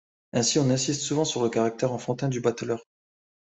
Ainsi, on insiste souvent sur le caractère enfantin du Bateleur.